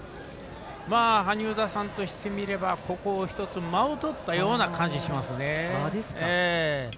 萩生田さんとしてみれば間をとったような感じがしますね。